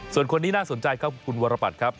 ส่วนคนนี้น่าสนใจครับคุณวรปัตรครับ